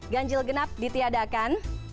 ganjil genap ditiadakan